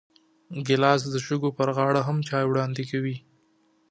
ګیلاس د شګو پر غاړه هم چای وړاندې کوي.